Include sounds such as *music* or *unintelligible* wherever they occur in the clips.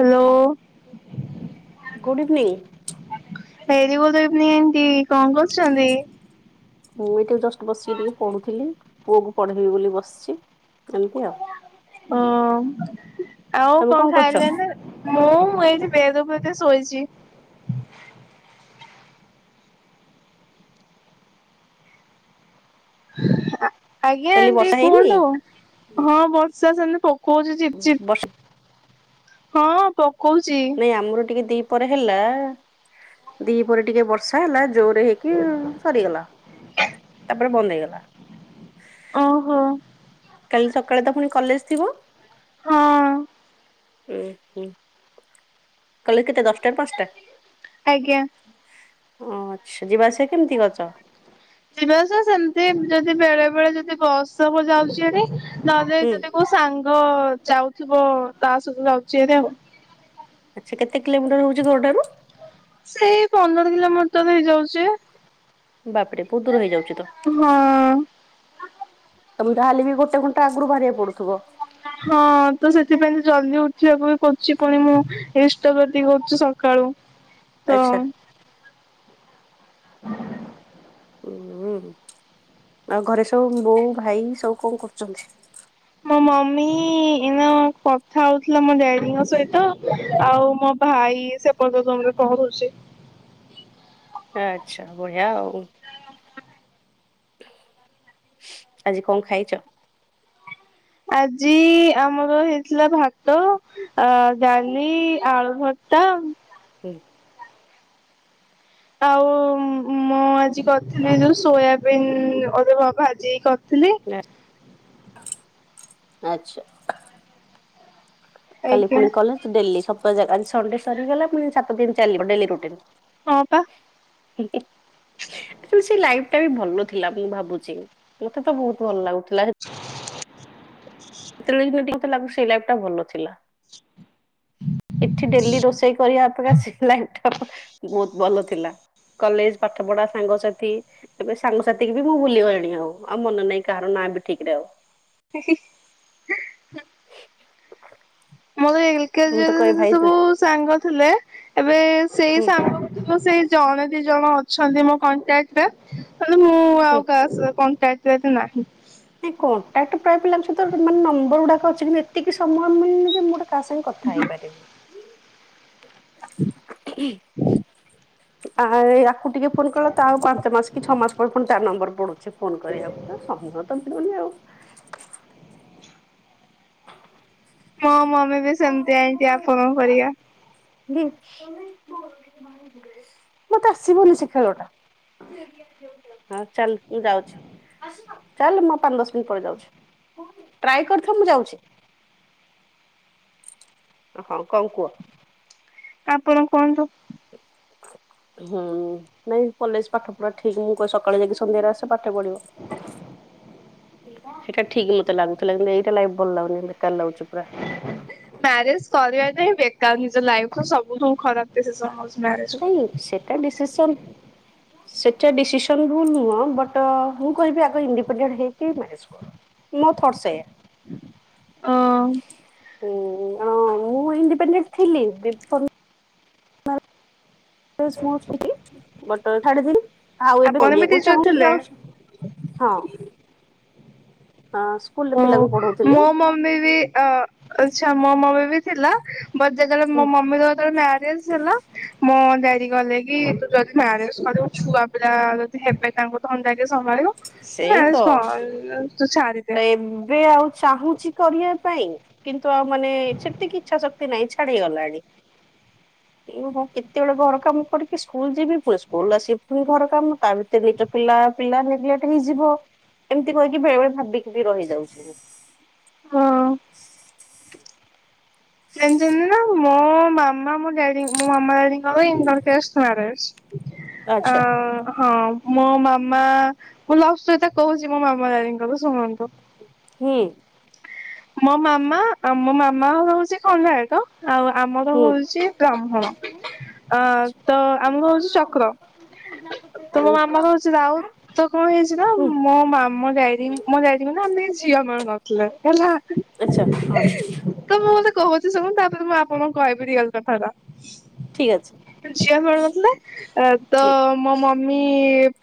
Hello. Good evening. Very good evening ଦି କଣ କରୁଛନ୍ତି? ମୁଁ ଏଠେ ଜଷ୍ଟ୍ ବସିକି ଟିକେ ପଢୁଥିଲି ପୁଅକୁ ପଢ଼େଇବି ବୋଲି ବସଚି ଏମିତି ଆଉ। ଓ ଆଉ ତମେ କଣ କରୁଛ ଖାଇଲେନେ? ମୁଁ ଏଇଠି ବେଡ଼୍ ଉପରେ ଟିକେ ଶୋଇଚି। ଆ ଆଜ୍ଞା କହିଲି ଆଣ୍ଟି ବର୍ଷା ହେଇନି କୁହନ୍ତୁ। ହଁ ବର୍ଷା ସେମତି ପକଉଚି ଝିପ୍ ଝିପ୍। ବର୍ଷା ହଁ ପକଉଚି। ନାଇଁ ଆମର ଟିକେ ଦି ପରେ ହେଲା, ଦି ପରେ ଟିକିଏ ବ ର୍ଷା ହେଲା ଜୋରରେ ହେଇକି ସରିଗଲା, ତାପରେ ବନ୍ଦ ହେଇଗଲା। ଓହୋ। କାଲି ସକାଳେ ତ ପୁଣି କଲେଜ ଥିବ? ହଁ। ଏ ହେ। କଲେଜ କେତେ ଦଶଟାରୁ ପାଞ୍ଚଟା? ଆଜ୍ଞା। ଓ ଆଚ୍ଛା ଯିବା ଆସିବା କେମିତି କରୁଚ? ଯିବାଆସିବା ସେମିତି ଯଦି ବେଳେବେଳେ ଯଦି ବସ ହବ ଯାଉଚି ଭାରି ନହେଲେ ହୁଁ ଯଦି ବ ସାଙ୍ଗ ଯାଉଥିବ ତା ସହିତ ଯାଉଛି ଭାରି ଆଉ। ଆଚ୍ଛା କେତେ କିଲୋିଟର ହଉଛି ଘରଠାରୁ? ସେଇ ପନ୍ଦର କିଲୋମିଟର ହେଇଯାଉଛି। ବାପରେ ବହୁତ ଦୂର ହେଇଯାଉଛି ତ। ହଁ। ତମକୁ ଯାହା ହେଲେ ବି ଗୋଟେ ଘଣ୍ଟା ଆଗରୁ ବାହାରିବାକୁ ପଡୁଥିବ। ହଁ ତ ସେଥିପାଇଁ ତ ଜଲଦି ଉଠିବାକୁ ବି ପଡୁଛି ପୁଣି ମୁଁ ଇଷ୍ଟବୃତ୍ତି କରୁଛି ସକାଳୁ। *inaudible* ତ *inaudible* ହୁଁ ଆଉ ଘରେ ସବୁ ବୋଉ ଭାଇ ସବୁ କଣ କରୁଛନ୍ତି? ମୋ ମମି ଏଇନା କଥା ହଉଥିଲା ମୋ ଡାଡିଙ୍କ ସହିତ ଆଉ ମୋ ଭାଇ ସେପଟ ରୁମରେ ପଢୁଛି। ଆଚ୍ଛା ବଢିଆ ଆଉ। ଆଜି କଣ ଖାଇଛ? ଆଜି ଆମର ହେଇଥିଲା ଭାତ ଅ ଡାଲି ଆଳୁ ଭର୍ତ୍ତା ହୁଁ। ଆଉ ମୁଁ ଆଜି କରିଥିଲି ଯୋଉ ସୋୟାବିନ୍ ଅଲଗା ଭାଜିିକି କରିଥିଲି। ଆଚ୍ଛା। କାଲି ଆଜ୍ଞା ପୁଣି କଲେଜ ଡେଲି ସକାଳ ଆଜି ସଣ୍ଡେ ସରିଗଲା ପୁଣି ସାତ ଦିନ ଚାଲିବ ଡେଲି ରୁଟିନ୍। ହଁ ପା। *inaudible* ତୋ ସେ ଲାଇଫ ଟା ବି ଭଲ ଥିଲା ମୁଁ ଭାବୁଛି ମତେ ତ ବହୁତ ଭଲ ଲାଗୁଥିଲା। *inaudible* ସେତେବେଳେ ଯୋଉଥିଲା ଟିକେ ଲାଗୁଥିଲା ସେଇ ଲାଇଫ ଟା ଭଲ ଥିଲା। ଏଠି ଡେଲି ରୋଷେଇ କରିବା ଅପେକ୍ଷା ସେ ଲାଇଫ୍ ଟା ବହୁତ ଭଲ ଥିଲା। କଲେଜ ପାଠ ପଢା ସାଙ୍ଗସାଥି ଏବେ ସାଙ୍ଗସାଥିୀ ବି ମୁଁ ଭୁଲିଗଲିଣି, ଆଉ ଆଉ ମନେ ନାହିଁ କାହାର ନାଁ ବି ଠିକ ରେ ଆଉ। ମୁ କହିଲି ମୁଁ ତ କଲେଜରେ କହେ ଯୋଉ ଭାଇ ସବୁ ସାଙ୍ଗ ଥିଲେ ଏବେ ସେଇ ହୁଁ ସାଙ୍ଗ ଗୁଡ଼ିକ ସେଇ ଜଣେ ଦି ଜଣ ଅଛନ୍ତି ମୋ କଣ୍ଟାକ୍ଟ ରେ ନହେଲେ ମୁଁ ହୁଁ ଆଉ କାହା କଣ୍ଟାକ୍ଟ ରେ ଏତେ ନାହିଁ। ନାଇଁ କଣ୍ଟାକ୍ଟ ପ୍ରାୟ ପିଲାଙ୍କ ସହିତ ମାନେ ନମ୍ବର ଗୁଡାକ ଅଛି କିନ୍ତ ଏତିକି ସମୟ ମିଳୁନି ଯେ ମୁଁ ଗୋଟେ କାହା ସାଙ୍ଗେ କଥା ହେଇପାରିବି। ହୁଁ ହୁଁ ଆ ଏଇ ଆକୁ ଟିକେ ଫୋନ୍ କଲେ ତ ତା ଆଉ ପାଞ୍ଚ ମାସ କି ଛଅ ମାସ ପରେ ପୁଣି ତା ନମ୍ବର ପଡ଼ୁଛି ଫୋନ କରିବାକୁ ସମୟ ତ ମିଳୁନି ଆଉ। ମୋ ମମି ବି ସେମତିଆ ହେଇଛିି ଆପଣଙ୍କ ପରିକା। ମତେ ଆସିବନି ସେ ଖେଳଟା। ହୋଉ ଚାଲ ମୁଁ ଯାଉଛି। ଚାଲ ମୁଁ ପାଞ୍ଚ ଦଶ ମିନିଟ୍ ପରେ ଯାଉଛି ଟ୍ରାଏ କରୁଥା ମୁଁ ଯାଉଛି। ହଁ କଣ କୁହ? ଆପଣ କୁହନ୍ତୁ। ହୁଁ ନାଇଁ କଲେଜ ପାଠ ପୁରା ଠିକ ମୁଁ କହ ସକାଳେ ଯାଇକି ସନ୍ଧ୍ୟାରେ ଆସ ପାଠ ପଢିବ। ସେଟା ଠିକ ମତେ ଲାଗୁଥିଲା କିନ୍ତୁ ଏଇଟା ଲାଇ ଭଲ ଲାଗୁନି ବେକାର ଲାଗୁଛି ପୁରା। ମ୍ୟାରେଜ କରିବାଟା ହଁ ବେକାର ନିଜ ଲାଇଫ ସବୁଠୁ ଖରାପ *inaudible* ନାଇଁ ସେଟା ଡିସିସନ ସେଟା ଡିସିସନ ରୁଲ ନୁହଁ ବଟ୍ ମୁଁ କହିବି ଆଗ ଇଡିପେଣ୍ଡେଣ୍ଟ ହେଇକି ମ୍ୟାରେଜ କରୁ। ମୋ ଥଟ ସେୟା। ଓ ଉଁ ମୁଁ ଇଣ୍ଡିପେଣ୍ଡେଣ୍ଟ ଥିଲି *inaudible* ବଢେ ତିନ ଆଉ ଏବେ ଆପଣ ବି କରିଆକୁ ଟିଚର ଚାହୁଁଛି ଥିଲେ? ଯାଉଛି। ହଁ ହ ସ୍କୁଲରେ ପିଲାଙ୍କୁ ପଢଉଥିଲି। ମେ ବି ଆ ସାମ୍ ମ୍ ବେବି ଥିଲା। ବଟ ଯେତେବେଳେ ମୋ ମମିର ଯେତେବେଳେ ମ୍ୟାରେଜ ହେଲା। ମୋ ଡାଡି କହିଲେ କି ତୁ ଯଦି ମାରେଜ କରିବୁ ଛୁଆ ପିଲା ଯଦି ହେବେ ତାଙ୍କୁ ଧନ୍ଦା କିଏ ସମ୍ଭାଳିବ ତୁ ସେଇ ମ୍ୟାରେଜ କରନି ତୁ ଛାଡ଼ି ଦେ ତ ଏବେ ଆଉ ଚାହୁଁଛି କରିବା ପାଇଁ। କିନ୍ତୁ ଆଉ ମାନେ ସେତିକି ଇଛା ଶକ୍ତି ନାହିଁ ଛାଡି ଗଲାଣି। ହଁ କେତେବେଳେ ଘର କାମ କରିକି ସ୍କୁଲ ଯିବି ପୁଣି ସ୍କୁଲ ଆସି ପୁଣି ଘର କାମ ତା ଭିତରେ। ସେ ଦିଇଟ ପିଲା ପିଲା ରେଗଟ ହେଇଯିବ ଏମିତି କହିକି ବେଳେ ବଳେ ଭାବିକି ବି ରହିଯାଉଛି। ହଁ। ଜଣିଛନ୍ତି ନା ମୋ ମାମା ମୋ ଡାଡି ମୋ ମାମା ଡାଡିଙ୍କର ଇଣ୍ଟର କାଷ୍ଟ ମ୍ୟାରେଜ। ଆଚ୍ଛା ଆ ହଁ। ମୋ ମାମା ମୁଁ ଲଭଷ୍ଟୋରୀ କହୁଛି ମୋ ମାମା ଦାଦିଙ୍କର ଶୁଣନ୍ତୁ? ହୁଁ। ମୋ ମାମା ଆ ମୋ ମାମା ଘର ହଉଛି କଣ୍ଡରାହାଟ। ଆଉ ଆମର ହୁଁ। ହୁଁ ହଉଛି ବ୍ରାହ୍ମଣ। ଅ ତ ଆମର ହଉଛି ଚକ୍ର ତ ମାମର ହଉଛି ରାଉତ। ତ କଣ ହେଇଛି ନା ମୋ ମାମା ମୋ ଡାଡି ମୋ ଡାଡି ଙ୍କୁ ମାନେ ଆମେ ଝିଅ ମିଳୁ ନଥିଲେ ହେଲା। ହ ଆଚ୍ଛା ହଁ ତ ମୁଁ ମତେ କହୁଛି ଶୁଣୁ ତାପରେ ମୁଁ ଆପଣଙ୍କୁ କହିବି ରିଅଲ କଥାଟା। ଠିକ ଅଛି ଝିଅ ମିଳୁ ନଥିଲେ ତ ଠିକ ମୋ ମମି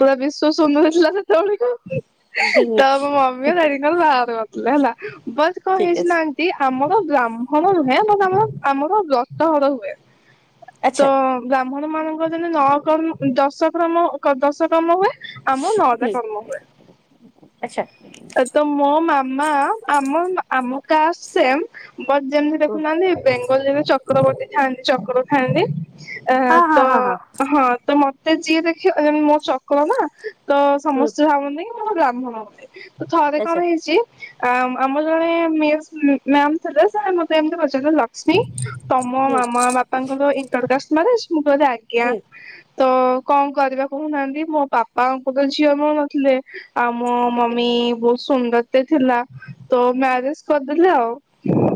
ପୁରା ବିଶ୍ଵ ସୁନ୍ଦର ଥିଲା ସେତେବେଳକୁ ହୁଁ ହୁଁ। ତ ମ ମମି ଡାଡିଙ୍କ ବାହା କରିଥିଲେ ହେଲା ବଟ କଣ ଠିକ ହେଇଛି ଅଛି ନା ଆମର ବ୍ରାହ୍ମଣ ନୁହେଁ ବଟ ଆମର ବ୍ରତଘର ହୁଏ। ତ ଆଚ୍ଛା ବ୍ରାହ୍ମଣ ମାନଙ୍କ ଯେନେ ନଅ କର୍ମ ଦଶ କର୍ମ ଦଶ କର୍ମ ହୁଏ। ଆମ ନଅଟା ହୁଁ କର୍ମ ହୁଏ ଆଚ୍ଛା ତ ମୋ ମାମା ଆମ ଆମ କାଷ୍ଟ ସେମ। ବସ୍ ଯେମିତି ହଁ ଦେଖୁନାହାନ୍ତି ବେଙ୍ଗଲିରେ ଯେ ଚକ୍ରବର୍ତ୍ତୀ ଥାଆନ୍ତି ଚକ୍ର ଥାଆନ୍ତି। ଅ ତ ହଁ ତ ମ ତ ଯିଏ ଦେଖିବ ମୋ ଚକ୍ର ନା ତ ହୁଁ ସମସ୍ତେ ଭାବନ୍ତି କି ମୋର ବ୍ରାହ୍ମଣ ହନ୍ତି। ତ ଥରେ କଣ ଆଚ୍ଛା ହେଇଛି ଆ ଆମର ମ ମତେମତି ବିଲ ଲକ୍ଷ୍ମୀ ତମ ହୁଁ ମାମା ବାପା ତାଙ୍କର ଇଣ୍ଟରକାଷ୍ଟ ମ୍ୟାରେଜ ମୁଁ କହିଲି ଆଜ୍ଞା। ହୁଁ ତ କଣ କରିବା କହୁନାହାନ୍ତି ମୋ ବାପାଙ୍କୁ ତ ଝିଅ ମିଳୁ ନଥିଲେ। ଆଉ ମୋ ମମି ବହୁତ ସୁନ୍ଦରତେ ଥିଲା। ତ ମ୍ୟାରେଜ କରିଦେଲେ ଆଉ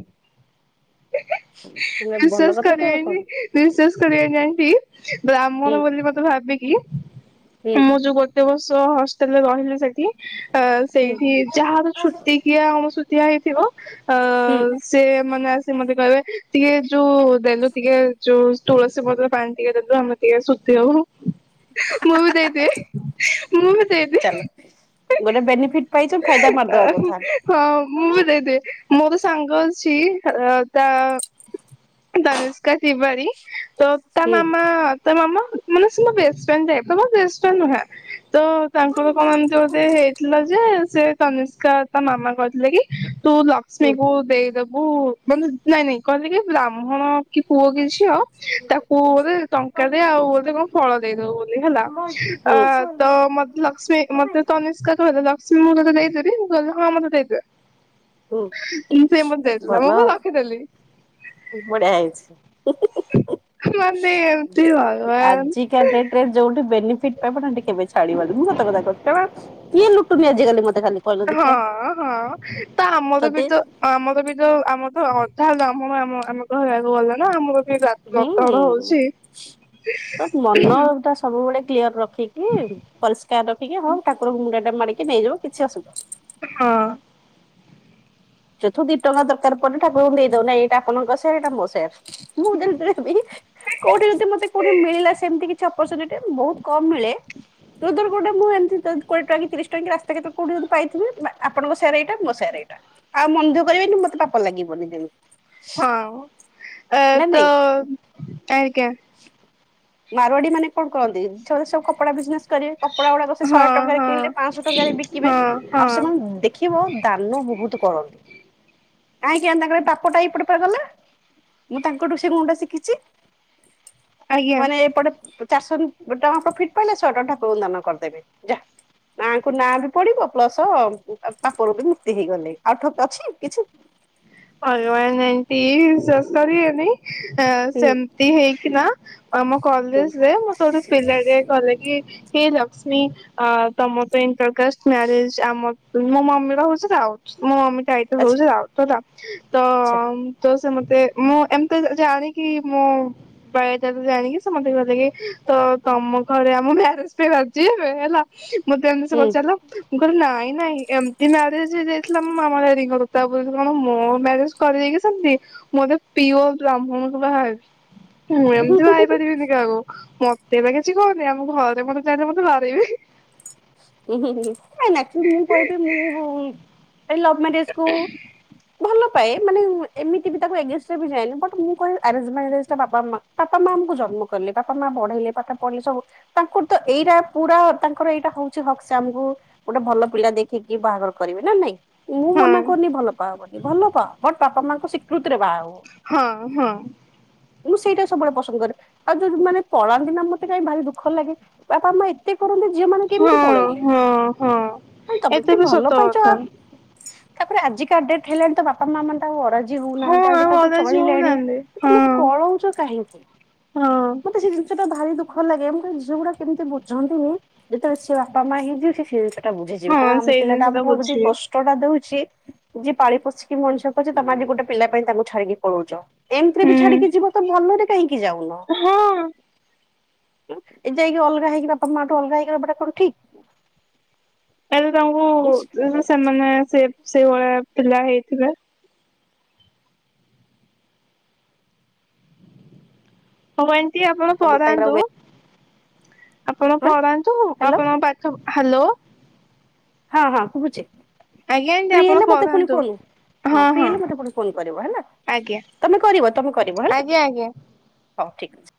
ଭଲ ବିଶ୍ୱାସ କଥାଟେ ଆଉ କଣ କରିବେନି ବିଶ୍ୱାସ କରିବେନି ଆଣ୍ଟି ହୁଁ ବ୍ରାହ୍ମଣ ବୋଲି ମତେ ଭାବିକି ହୁଁ ମୁଁ ଯୋଉ ଗୋଟେ ବର୍ଷ ହଷ୍ଟେଲରେ ରହିଲି ସେଠି ଅ ହୁଁ ସେଇଠି ଯାହା ଛୁତିକିିଆ ଅଣସୁ ଦିଆ ହେଇଥିବ ଅ ହୁଁ ସିଏ ମାନେ ଆସି ମତେ କହିବେ ଟିକେ ଯୋଉ ଦେଲୁ ଟିକେ ଯୋଉ ତୁଳସୀ ପତ୍ର ପାଣି ଟିକେ ଦେଲୁ ଆମେ ଟିକେ ଶୁଧି ହବୁ, ମୁଁ ବି ଦେଇଦିଏ। ମୁଁ ବି ଦେଇଦେ ଚାଲ ଗୋଟେ ବେନିଫିଟ୍ ପାଇଚ ଫାଇଦା ମାରିଦବା କଥା। ହଁ ମୁଁ ବି ଦେଇଦିଏ ମୋର ସାଙ୍ଗ ଅଛି ହା ଆ ତା ତନୁଷ୍କା ତିବାରୀ ତ ତା ମାମା ତ ମାମା ମାନେ ସେ ମୋ ବେଷ୍ଟଫ୍ରେଣ୍ଡ ଟାଇପର ବଟ ବେଷ୍ଟଫ୍ରେଣ୍ଡ ନୁହେଁ। ତ ତାଙ୍କର କଣ ଏମିତି ବୋଧେ ହେଇଥିଲା ଯେ ସେ ତନିଷ୍କା ତା ମାମା କହିଥିଲେ କି ତୁ ଲକ୍ଷ୍ମୀକୁ ଦେଇଦୋବୁ ମାନେ ନାଇଁ ନାଇଁ କହିଲେ କି ବ୍ରାହ୍ମଣ କି ପୁଅ କି ଝିଅ ତାକୁ ବୋଧେ ଟଙ୍କାଟେ ଆଉ ଗୋଟେ କଣ ଫଳ ଦେଇଦୋବୁ ବୋଲି ହେଲା। ଆ ତ ମତେ ଲକ୍ଷ୍ମୀ ମତେ ତନିିଷ୍କା କହିଦେଲା। ସିଏ *unintelligible* ତତେ ଦେଇଦେବି ମୁଁ କହିଲି ହଁ ମତେ ଦେଇଦେ। ଉଁ ସେ ମତେ ଦେଇଦେଲା ଭଲ ମୁଁ ବି ରଖିଦେଲି। ବଢିଆ ହେଇଛି ମାନେ ଏମତି ଭଗବାନ ଆଜିକା ଡେଟ୍ ଟରେ ଯୋଉଠି ବେନିଫିଟ୍ ପାଇବ ନା ହେଟି କେବି ଛାଡିବନି ମୁଁ ସତ କଥା କୋହୁଚି କାରଣ କିଏ ଲୁଟୁନି ଆଜିକାଲି ମତେ ଖାଲି କହିଲ ହଁ ଦେଖିଆ ହଁ ତ ଆମର ବି ଯଦି ତ ଆମର ବି ତ ଆମର ତ ଅଧା ବ୍ରାହ୍ମଣ ଆମ ଆମେ କହିବାକୁ ଗଲେ। ନା ଆମର କି ବା ହୁଁ ବ୍ରତଘର ହୋଉଛି। ତ ମନ ଟା ସବୁବେଳେ କ୍ଲିୟର ରଖିକି ପରିଷ୍କାର ରଖିକି ହଁ ଠାକୁରଙ୍କୁ ମୁଣ୍ଡିଆଟେ ମାରିକି ନେଇଯିବୁ କିଛି ଅସୁ ହଁ। ଯୋଉ ଥୁ ଦିଟଙ୍କା ଦରକାର ପଡିଲେ ଠାକୁରଙ୍କୁ ଦେଇଦୋଉ ନା ଏଇଟା ଆପଣଙ୍କ ସେୟାର ଏଇଟା ମୋ ସେୟାର୍। ମୁଁ *unintelligible* ବି କୋଉଠି ଯଦି ମତେ କୋଉଠି ମିଳିଲା ସେମତି କିଛି ଅପରଚ୍ୟୁନିଟି ବୋହୁତ କମ ମିଳେ ଏଇ ଧର କୋଉଟା ମୁଁ ଏମତି କା କୋଡିଏ ଟଙ୍କା କି ତିରିଶ ଟଙ୍କା କି ରାସ୍ତା କେତ କୋଉଠି ଯଦି ପାଇଥିବା ବା ଆପଣଙ୍କ ସେୟାର ଏଇଟା ମୋ ସେୟାର ଏଇଟା। ଆଉ ମନଦୁଃଖ କରିବେନି ମତେ ପାପ ଲାଗିବନି ଯେମି। ହଁମ ଆ ତ ଆଜ୍ଞା। ମାରୱାଡି ମାନେ କଣ କରନ୍ତି ସେଉଡା ସବୁ କପଡା ବିଜନେସ୍ କରିବେ କପଡା ଗୁଡାକ ସେ ଶହେ ହଁ ଟଙ୍କାରେ ହଁ କିଣିଲେ ପାଂଶହ ଟଙ୍କାରେ ବିକିବେ ହଁ ହଁ ଆଉ ସେମାନେ ଦେ ଖିବ ଦାନ ବୋହୁତ କରନ୍ତି। ଆଁ କିଆଁ ତାଙ୍କର ଏ ପାପଟା ଏଇପଟେ ପରେ ଗଲା ମୁଁ ତାଙ୍କଠୁ ସେ ଗୁଣଟା ଶିଖିଚି। ଆଜ୍ଞା। ମାନେ ଏଇପଟେ ପ୍ ଚାରିଶ ଟଙ୍କା ପ୍ରଫିଟ ପାଇଲେ ଶହେ ଟଙ୍କା ଠାକୁରଙ୍କୁ ଦାନ କରିଦେବେ ଯାଆ। ନାଆଙ୍କୁ ନାଁ ବି ପଡିବ ପ୍ଲସ ଉ ଆ ପାପରୁ ବି ମୁକ୍ତି ହେଇଗଲେ ଆଉ ଠକ ଅଛି କିଛି। ଭଗବାନ ଏମତି ବିଶ୍ବାସ କରିବେନି ଅ ହୁଁ ସେମିତି ହେଇକିନା ଆମ ହୁଁ କଲେଜରେ ମତେ ଗୋଟେ ପିଲାଟେ କହିଲା କି ହେ ଲକ୍ଷ୍ମୀ ଆ ତମର ତ ଇଣ୍ଟରକାଷ୍ଟ ମ୍ୟାରେଜ ଆମ ମୋ ମମିର ହୋଉଚି ରାଉତ ମୋ ମମି ଟାଇଟେଲ ଆଚ୍ଛା ହୋଉଚି ରାଉତ ହେଲା ତ ଆଚ୍ଛା ତ ସେ ମତେ ମୁଁ ଏମତି ଜା-ଜାଣିକି ମୋ ପାଏ ତତେ ଜାଣିକି ସମସ୍ତେ କହିଲେ କି ତ ତମ ଘରେ ଆମ ମ୍ୟାରେଜ ପାଇଁ ରାଜି ଏବେ ହେଲା ମତେ ଏମିତି ସେ ହୁଁ। ପଚାରିଲା ମୁଁ କହିଲି ନାଇଁ ନାଇଁ ଏମତି ମ୍ୟାରେଜ ହେଇଯାଇଥିଲା ମୋ ମାମା ଡାଡିଙ୍କର ତା ବୋଲି କଣ ମ୍ ମୋ ମ୍ୟାରେଜ କରିବେକି ସେମତି ମୁଁ ଏବେ ପିଓର ବ୍ରାହ୍ମଣକୁ ବାହାହେବି। ମୁଁ ହୁଁ ଏମତି ହୁଁ ହୁଁ ବାହାହେଇ ପାରିବିନି କହାକୁ ମ ତେ ଏବେ କିଛି କହନି ଆମ ଘରେ ମତେ ଜାଣିଲେ ମତେ ବାଡେଇବେ। ଉଁ ହୁଁ ହୁଁ ହୁଁ ନାଇଁ ନାଇଁ ଆକଚୋଲି ମୁଁ କହିବି ମୁଁ ଉଁ ଏଇ ଲବ ମାରେଜକୁ ହୋଉ ଭଲ ପାଏ ମାନେ ଏମିତି ବି ତାକୁ ଏଗେନଷ୍ଟରେ ବି ଯାଏନି ବଟ୍ ମୁଁ କ ବାପା ମାଆ ବାପା ମାଆ ଆମକୁ ଜନ୍ମ କଲେ ବାପା ମାଆ ବଢେଇଲେ ପାଠ ପଢଲେ ସବୁ ତାଙ୍କର ତ ଏଇଟା ପୁରା ତାଙ୍କର ଏଇଟା ହୋଉ ଛି ହକ୍ ସେ ଆମକୁ ଗୋଟେ ଭଲ ପିଲା ଦେଖିକି ବାହାଘର କରିବେ ନା ନାଇଁ। ମୁଁ ହଁ ମନା କରୁନି ଭଲ ପାଅ ବୋଲି ଭଲ ପାଅ ବଟ୍ ବାପା ମାଙ୍କ ସିକୃତିରେ ବାହାହୁଅ। ହଁ ହଁ। ମୁଁ ସେଇଟା ସବୁବେଳେ ପସନ୍ଦ କରେ। ଆଉ ଯୋଉ ମାନେ ପଳାନ୍ତି ନା ମତେ କାଇଁ ଭାରି ଦୁଃଖ ଲାଗେ ବାପା ମାଆ ଏତେ କରନ୍ତି ଝିଅମାନେ କେମତି ହଁ ପଳେଇଲେ ହଁ ହଁ। ଭାଇ ତମେ ଏତେ ଯଦି ବି ଭଲ ସତ ପାଇଚ କଥା ତାପରେ ଆଜିକା ଡେଟ୍ ହେଲାଣି ତ ବାପ୍ ବାପା ମା ମାନେ ତ ଆଉ ଅରାଜି ହଁ ହଉନାହାନ୍ତି, ଆଉ ଆଜିିକାଲି ତ ଅଲଗା ଝିଅ ଚଳିଲେଣି ହଉନାହାନ୍ତି ହଁ ତମେ ପଳଉଛ କାହିଁକି? ହଁ। ମତେ ସେ ଜିନିଷଟା ଭାରି ଦୁଃଖ ଲାଗେ, ମୁଁ କହେ ଝିଅଗୁଡା କେମିତି ବୁଝନ୍ତିନି। ଯେତେବେଳେ ସେ ବାପା ମା ହେଇଯିବେ ସେ ସେଟା ବୁଝିଯିବେ, କଣ ହଁ ଆମ ସେଇ ପିଲାଟା ଜିନିଷ ଟା ଆମକୁ ବୁଝି ବୁଝିବେ କ ଷ୍ଟ ଟା ଦଉଛି ଯିଏ ପାଳିପୋଷିକି ମଣିଷ କରିଛି ତମେ ଆଜି ଗୋଟେ ପିଲା ପାଇଁ ତାଙ୍କୁ ଛାଡିକି ପଳଉଛ। ଏମିତିରେ ହୁଁ ବି ଛାଡିକି ଯିବ ତ ଭଲରେ କାହିଁକି ଯାଉନ? ହଁ। ଏ ଯାଇକି ଅଲଗା ହେଇକି ବାପା ମାଠୁ ଅଲଗା ହେଇକି ରହିବାଟା କଣ ଠିକ୍? ଏ ପ୍ରଭୁ ତ ଇସ୍ ଯଦି ସେମାନେ ସେ ସେଇଭଳିଆ ପିଲା ହେଇଥିବେ। କଣ ଏମତି ଆପଣ ତମ ପାଇଁ ଆଉ ପରାନ୍ତୁ। ଏ ଆପଣ ପଳାନ୍ତୁ ହାଲୋ ଆପଣ ପାଖ ହାଲୋ ହଁ ହଁ ଶୁଭୁଛେ, ଆଜ୍ଞା ଆଣ୍ଟି ଫ୍ରି ଆପଣ ହେଲେ ମତେ ପୁଣି ପଢାନ୍ତୁ କଲ ହଁ ଫ୍ରି ହେଲେ ମତେ ପୁଣି ଫୋନ କରିବ ହେଲା, ଆଜ୍ଞା ତମେ କରିବ ତମେ କରିବ ହେଲ ଆଜ୍ଞା, ଆଜ୍ଞା। ହଁ ଠିକ୍ ଅଛି।